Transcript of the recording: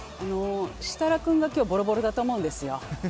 設楽君が今日はぼろぼろだと思うんですよ。